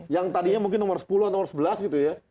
yang tadinya mungkin nomor sepuluh atau nomor sebelas gitu ya